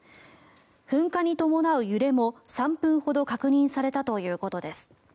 噴火に伴う揺れも、３分ほど確認されたということです。